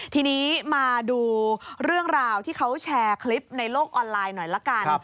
ทีนี้มาดูเรื่องราวที่เขาแชร์คลิปในโลกออนไลน์หน่อยละกัน